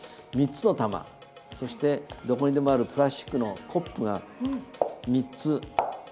３つの玉そしてどこにでもあるプラスチックのコップが３つ。